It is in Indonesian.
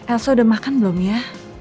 elso udah makan belum ya